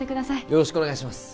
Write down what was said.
よろしくお願いします